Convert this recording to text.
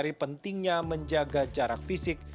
dari pentingnya menjaga jarak fisik